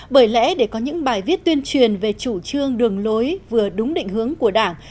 bởi lẽ để có những bài viết tuyên truyền về chủ trương đường lối vừa đúng định hướng của đảng